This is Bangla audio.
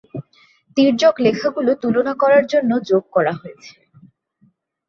তীর্যক লেখাগুলো তুলনা করার জন্য যোগ করা হয়েছে।